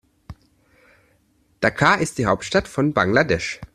Dhaka ist die Hauptstadt von Bangladesch.